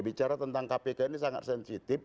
bicara tentang kpk ini sangat sensitif